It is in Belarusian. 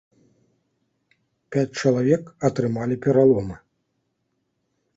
Пяць чалавек атрымалі пераломы.